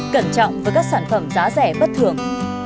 cẩn trọng với các sản phẩm giá rẻ bất thường